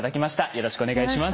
よろしくお願いします。